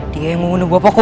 dia yang mengunduh buah pokok